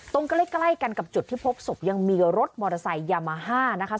ใกล้กันกับจุดที่พบศพยังมีรถมอเตอร์ไซค์ยามาฮ่านะคะ